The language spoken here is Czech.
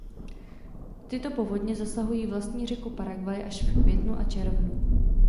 Tyto povodně zasahují vlastní řeku Paraguay až v květnu a červnu.